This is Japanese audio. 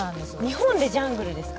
日本でジャングルですか？